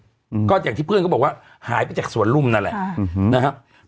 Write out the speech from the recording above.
อืมก็อย่างที่เพื่อนก็บอกว่าหายไปจากสวนรุ่มนั่นแหละอ่าอืมนะครับ